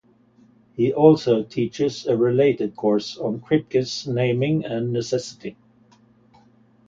He also teaches a related course on Kripke's Naming and Necessity.